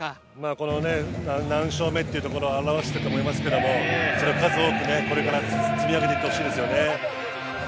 この何勝目というアナウンスだと思いますけどそれを数多くこれから積み上げていってほしいですね。